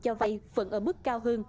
cho vay vẫn ở mức cao hơn